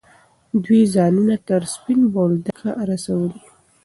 دوی ځانونه تر سپین بولدکه رسولي.